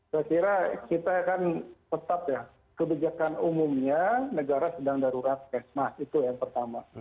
saya kira kita akan tetap ya kebijakan umumnya negara sedang darurat kesmas itu yang pertama